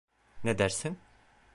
Ne dersin?